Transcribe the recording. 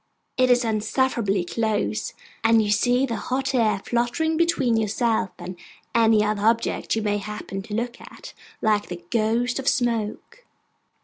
It is insufferably close; and you see the hot air fluttering between yourself and any other object you may happen to look at, like the ghost of smoke.